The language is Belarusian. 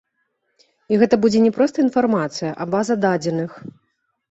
І гэта будзе не проста інфармацыя, а база дадзеных.